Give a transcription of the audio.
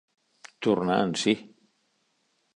Tornar en si.